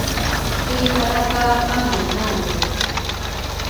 Lritara ka Pangudrale